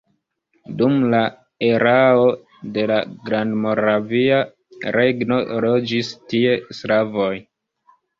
Dum la erao de la Grandmoravia Regno loĝis tie slavoj.